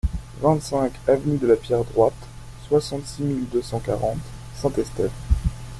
vingt-cinq avenue de la Pierre Droite, soixante-six mille deux cent quarante Saint-Estève